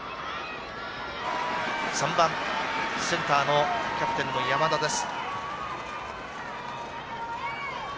３番センターのキャプテンの山田です。